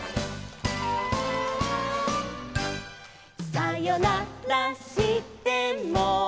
「さよならしても」